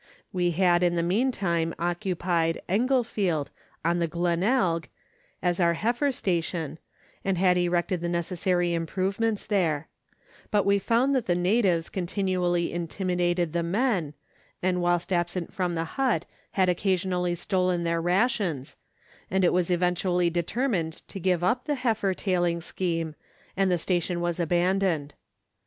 We had in the meantime occupied Englefield, on the Glenelg, as our heifer station, and had erected the necessary improvements there ; but we found that the natives continually intimidated the men, and whilst absent from the hut had occasionally stolen their rations, and it was eventually determined to give up the heifer tailing scheme, and the station was abandoned.